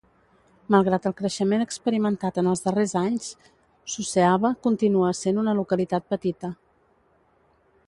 Malgrat el creixement experimentat en els darrers anys, Suceava continua essent una localitat petita.